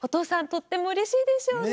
とてもうれしいでしょうね！